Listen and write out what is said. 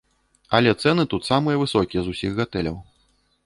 Але цэны тут самыя высокія з усіх гатэляў.